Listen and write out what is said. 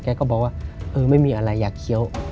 ก็บอกว่าเออไม่มีอะไรอยากเคี้ยว